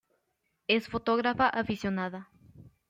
Es fotógrafa aficionada.